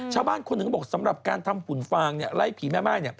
ชาวบ้านคนหนึ่งก็บอกสำหรับการทำหุ่นฟางไล่ผีแม่ม่าย